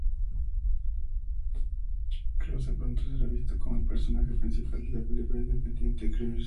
Krause pronto será visto como el personaje principal en la película independiente "Cyrus".